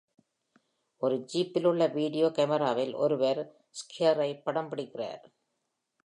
ஒரு ஜிப்பில் உள்ள வீடியோ கேமிராவில் ஒருவர் ஸ்கியரை படம் பிடிக்கிறார்.